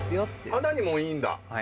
肌にもいいんだ。